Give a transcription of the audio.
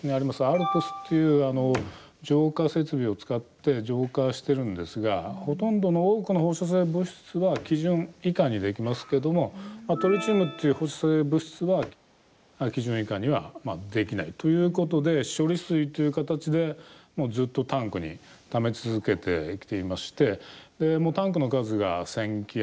ＡＬＰＳっていう浄化設備を使って浄化してるんですがほとんどの多くの放射性物質は基準以下にできますけどもトリチウムっていう放射性物質は基準以下にはできないということで処理水という形でずっとタンクにため続けてきていましてもうタンクの数が１０００基余り。